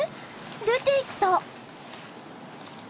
出ていった。